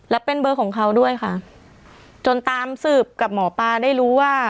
และเป็นเบอร์ของเขาด้วยค่ะจนตามสืบกับหมอปลาได้รู้ว่า